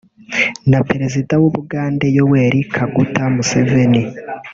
na Perezida w’u Bugande Yoweri Kaguta Museveni